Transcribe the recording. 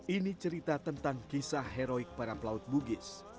ini cerita tentang kisah heroik para pelaut bugis